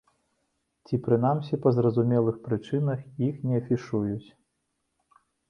Ці, прынамсі, па зразумелых прычынах іх не афішуюць.